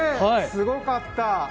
すごかった。